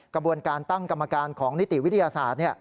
กระบวนการตั้งกรรมการของนิติวิทยาศาสตร์